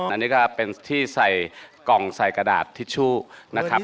อันนี้ก็เป็นที่ใส่กล่องใส่กระดาษทิชชู่นะครับ